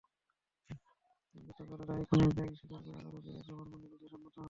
গতকাল রাহী খুনের দায় স্বীকার করে আদালতে জবানবন্দি দিতে সম্মত হন।